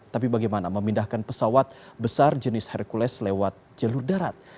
tapi bagaimana memindahkan pesawat besar jenis hercules lewat jalur darat